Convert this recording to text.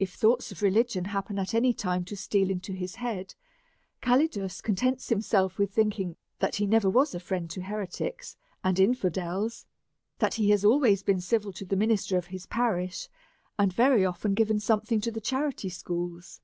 If thoughts of religion happen at any time to steal into his head, Calidus contents himself with thinking that he never was a friend to heretics and infidels, that he has always been civil to the minister of his parish, and very often given something to the charity schools.